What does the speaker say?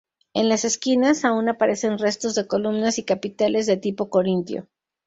En las esquinas aún aparecen restos de columnas y capiteles de tipo corintio.